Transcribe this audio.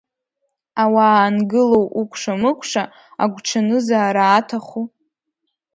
Ауаа ангылоу укәша-мыкәша, агәҽанызаара аҭаху?